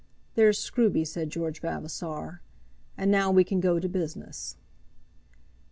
"There's Scruby," said George Vavasor, "and now we can go to business."